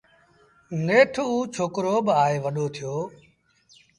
نيٺ اُ ڇوڪرو با آئي وڏو ٿيو